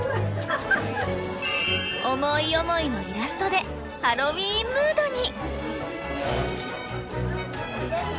思い思いのイラストでハロウィーンムードに！